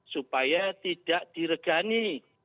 supaya tidak diregani